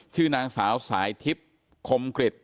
ชื่อนางสาวสายทิศคมกฤต